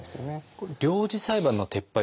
領事裁判の撤廃